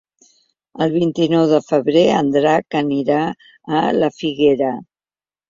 El vint-i-nou de febrer en Drac anirà a la Figuera.